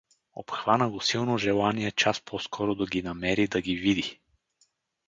Обхвана го силно желание час по-скоро да ги намери, да ги види.